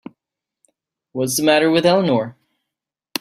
What's the matter with Eleanor?